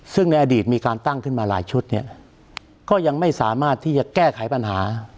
ซึ่งในอดีตมีการตั้งขึ้นมาหลายชุดเนี่ยก็ยังไม่สามารถที่จะแก้ไขปัญหา